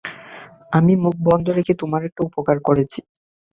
আমি মুখ বন্ধ রেখে তোমার একটা উপকার করেছি।